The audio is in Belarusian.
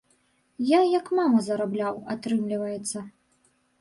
Я як мама зарабляў, атрымліваецца.